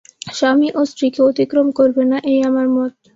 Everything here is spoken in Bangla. স্বামীও স্ত্রীকে অতিক্রম করবে না– এই আমার মত।